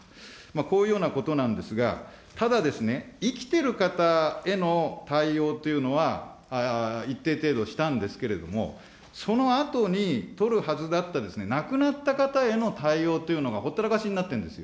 こういうようなことなんですが、ただですね、生きてる方への対応というのは、一定程度したんですけれども、そのあとにとるはずだった亡くなった方への対応というのがほったらかしになってるんですよ。